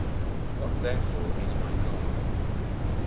What, therefore, is my God?